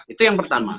itu yang pertama